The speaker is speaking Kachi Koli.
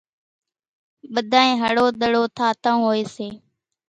ٻڌانئين هڙو ۮڙو ٿاتان هوئيَ سي۔